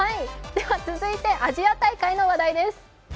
続いてアジア大会の話題です。